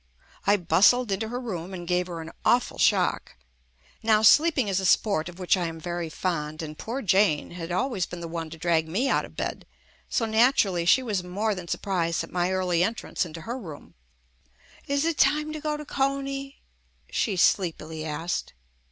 I bustled into her room and gave her an awful shock. Now sleep ing is a sport of which I am very fond and poor Jane had always been the one to drag me out of bed, so naturally she was more than sur prised at my early entrance into her room. "Is JUST ME it time to go to Coney?" she sleepily asked.